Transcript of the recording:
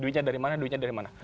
duitnya dari mana duitnya dari mana